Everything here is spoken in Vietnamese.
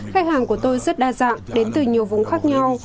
khách hàng của tôi rất đa dạng đến từ nhiều vùng khác nhau